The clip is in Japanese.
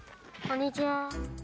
こんにちは。